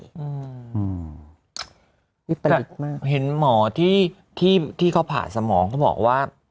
แล้วก็เห็นหมอที่เขาผ่าสมองเขาบอกว่า